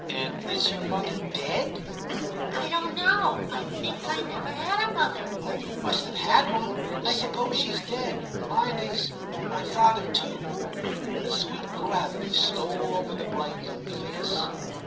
'* And is your mother dead ?'* I don't know ; I think I never had a mother.' * Oh, you must have had one. I suppose she's dead ; mine is — my father too '; and a sweet gravity stole over the bright young face.